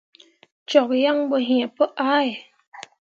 Cok yan bo yiŋ pu ʼahe.